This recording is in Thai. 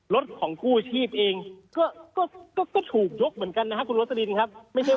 รถของกู้ชีพเองก็ถูกยกเหมือนกันนะฮะคุณรสลินครับ